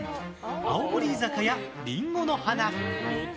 青森居酒屋りんごの花。